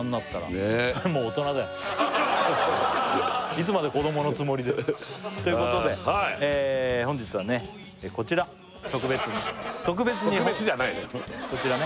いつまで子供のつもりでということで本日はねこちら特別にこちらね